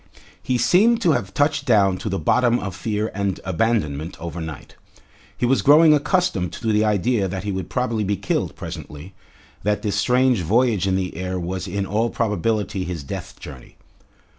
He seemed to have touched down to the bottom of fear and abandonment overnight. He was growing accustomed to the idea that he would probably be killed presently, that this strange voyage in the air was in all probability his death journey.